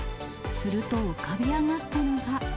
すると、浮かび上がったのが。